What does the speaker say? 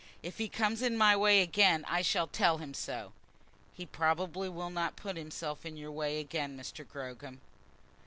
If he comes in my way again I shall tell him so." "He probably will not put himself in your way again, Mr. Gogram."